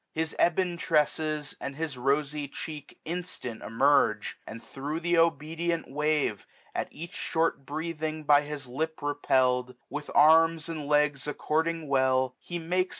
His ebon tresses, and his rosy cheek Instant emerge ; and thro' the obedient wave, 1250 At each short breathing by his lip repellM, With arms and legs according well, he makes.